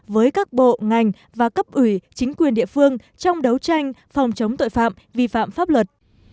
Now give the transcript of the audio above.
với các bộ ngành và cấp ủy chính quyền địa phương trong đấu tranh phòng chống tội phạm vi phạm pháp luật